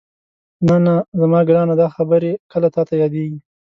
نه نه زما ګرانه دا خبرې کله تاته یادېږي؟